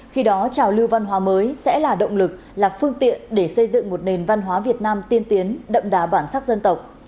khi đó trào lưu văn hóa mới sẽ là động lực là phương tiện để xây dựng một nền văn hóa việt nam tiên tiến đậm đà bản sắc dân tộc